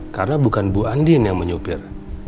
karena bukan bu andien yang menyupir